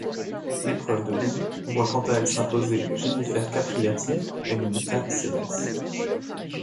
L'épreuve de double voit quant à elle s'imposer Jennifer Capriati et Monica Seles.